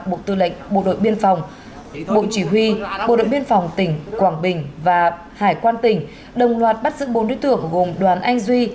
bộ tư lệnh bộ đội biên phòng bộ chỉ huy bộ đội biên phòng tỉnh quảng bình và hải quan tỉnh đồng loạt bắt giữ bốn đối tượng gồm đoàn anh duy